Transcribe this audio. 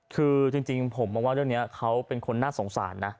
คือจริงผมมองว่าเรื่องนี้เขาเป็นคนน่าสงสารนะ